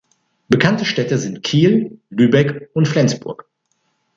Bekannte Städte sind Kiel, Lübeck und Flensburg.